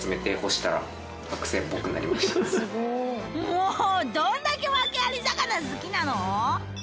もうどんだけワケアリ魚好きなの！